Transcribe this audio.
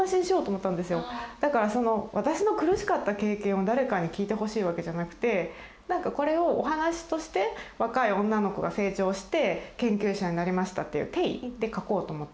だから私の苦しかった経験を誰かに聞いてほしいわけじゃなくてなんかこれをお話として若い女の子が成長して研究者になりましたっていう体で書こうと思って。